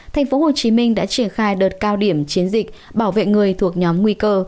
thành phố hồ chí minh đã triển khai đợt cao điểm chiến dịch bảo vệ người thuộc nhóm nguy cơ